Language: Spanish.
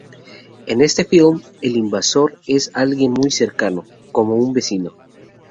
En este film el invasor es alguien muy cercano, como un vecino.